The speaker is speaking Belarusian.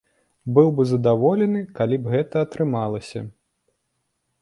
Быў бы задаволены, калі б гэта атрымалася.